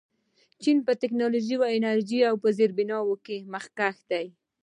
چین په ټیکنالوژۍ، انرژۍ او زیربناوو کې مخکښ دی.